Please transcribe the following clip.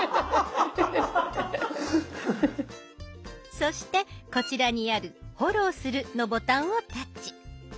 そしてこちらにある「フォローする」のボタンをタッチ。